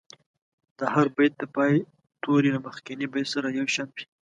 د هر بیت د پای توري له مخکني بیت سره یو شان وي.